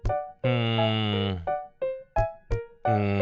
うん。